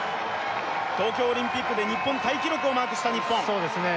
東京オリンピックで日本タイ記録をマークした日本そうですね